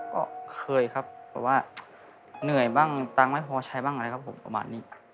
ก็เคยครับแบบว่าเหนื่อยบ้างตังค์ไม่พอใช้บ้างอะไรครับผมประมาณนี้